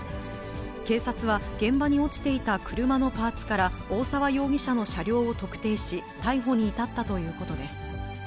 警察は、現場に落ちていた車のパーツから、大澤容疑者の車両を特定し、逮捕に至ったということです。